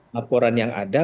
laporan yang ada